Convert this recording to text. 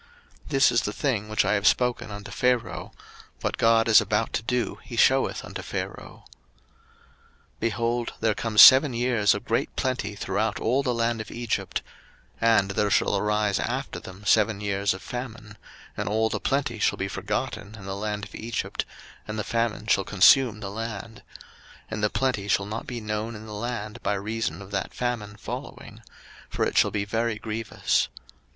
01:041:028 This is the thing which I have spoken unto Pharaoh: What God is about to do he sheweth unto Pharaoh. 01:041:029 Behold, there come seven years of great plenty throughout all the land of Egypt: 01:041:030 And there shall arise after them seven years of famine; and all the plenty shall be forgotten in the land of Egypt; and the famine shall consume the land; 01:041:031 And the plenty shall not be known in the land by reason of that famine following; for it shall be very grievous.